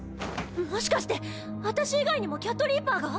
もしかして私以外にもキャットリーパーが⁉